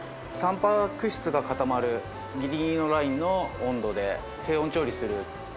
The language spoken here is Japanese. タンパク質が固まるぎりぎりのラインの温度で低温調理する。